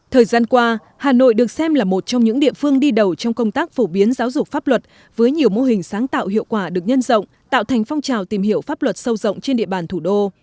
thời gian qua hà nội được xem là một trong những địa phương đi đầu trong công tác phổ biến giáo dục pháp luật với nhiều mô hình sáng tạo hiệu quả được nhân rộng tạo thành phong trào tìm hiểu pháp luật sâu rộng trên địa bàn thủ đô